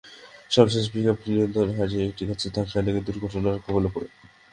সবশেষ পিকআপটি নিয়ন্ত্রণ হারিয়ে একটি গাছে ধাক্কা লেগে দুর্ঘটনার কবলে পড়ে।